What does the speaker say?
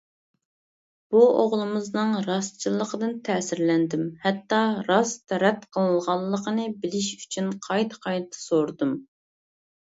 بۇ ئوغلىمىزنىڭ راستچىللىقىدىن تەسىرلەندىم، ھەتتا راست رەت قىلغانلىقىنى بىلىش ئۈچۈن قايتا قايتا سورىدىم.